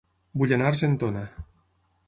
Vull anar a Argentona